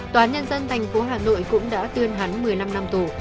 tòa nhân dân thành phố hà nội cũng đã tuyên hắn một mươi năm năm tù